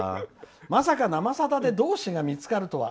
「まさか、「生さだ」で同志が見つかるとは。